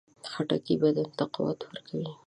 خټکی بدن ته قوت ورکوي.